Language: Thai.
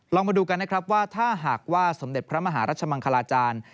มาดูกันนะครับว่าถ้าหากว่าสมเด็จพระมหารัชมังคลาจารย์